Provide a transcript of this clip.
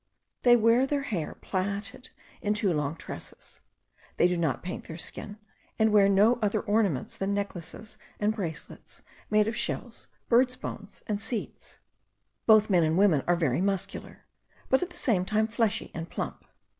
They wear their hair plaited in two long tresses; they do not paint their skin; and wear no other ornaments than necklaces and bracelets made of shells, birds' bones, and seeds. Both men and women are very muscular, but at the same time fleshy and plump.